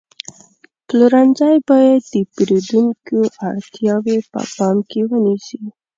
پلورنځی باید د پیرودونکو اړتیاوې په پام کې ونیسي.